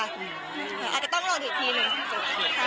อาจจะต้องรอถึงทีหนึ่ง